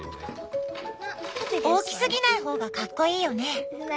大きすぎない方がかっこいいよね。